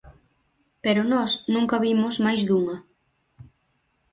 Pero nós nunca vimos máis dunha.